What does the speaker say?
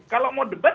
kalau mau debat